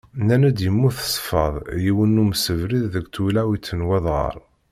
Nnan-d yemmut s fad yiwen umsebrid deg twilayt n Wadɣaɣ.